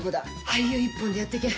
俳優一本でやってけ。